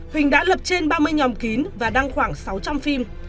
huỳnh đã lập trên ba mươi nhóm kín và đăng khoảng sáu trăm linh phim